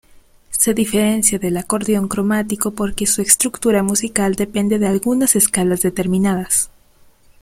Se diferencia del acordeón cromático porque su estructura musical depende de algunas escalas determinadas.